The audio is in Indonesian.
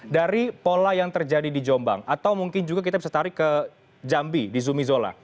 dari pola yang terjadi di jombang atau mungkin juga kita bisa tarik ke jambi di zumizola